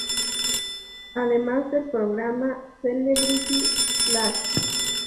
Además del programa "Celebrity Splash".